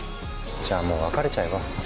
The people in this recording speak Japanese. じゃあ、もう別れちゃえば。